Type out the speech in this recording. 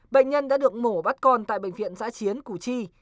bệnh nhân đã được mổ bắt con tại bệnh viện giã chiến củ chi